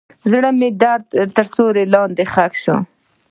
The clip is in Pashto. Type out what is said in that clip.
زړه مې د درد تر سیوري لاندې ښخ شو.